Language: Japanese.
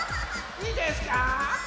いいですか？